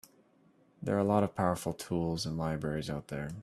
There are a lot of powerful tools and libraries out there.